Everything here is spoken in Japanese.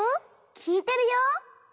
きいてるよ。